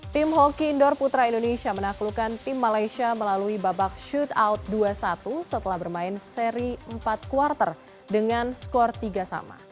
tim hoki indor putra indonesia menaklukkan tim malaysia melalui babak shootout dua satu setelah bermain seri empat quarter dengan skor tiga sama